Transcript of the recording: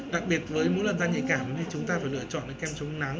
đặc biệt với mỗi lần da nhạy cảm thì chúng ta phải lựa chọn cái kem chống nắng